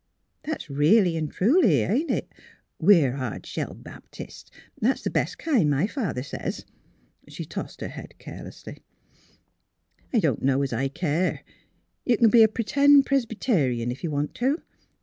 " That's really an' truly, isn't it? "We're hard shell Baptists. That's the best kind, my father says." She tossed her head carelessly. 262 THE HEAET OF PHILURA " I don't know as I care. You can be a p'tend Pres'pterian, if you want to.